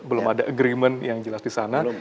belum ada agreement yang jelas di sana